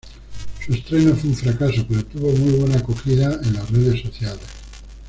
Su estreno fue un fracaso, pero tuvo muy buena acogida en las redes sociales.